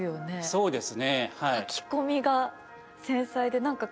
そうです。